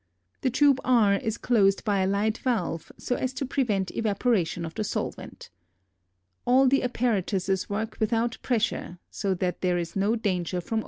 The tube R is closed by a light valve so as to prevent evaporation of the solvent. All the apparatuses work without pressure so that there is no danger from overstrain.